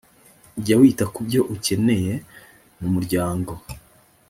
jya wita ku byo ukeneye mu muryango